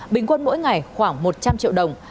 bình quân mỗi ngày khoảng một trăm linh triệu đồng